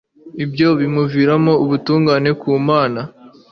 ibyo bimuviramo ubutungane ku Mana